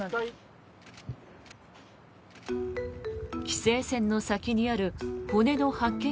規制線の先にある骨の発見